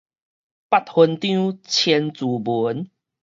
捌分張千字文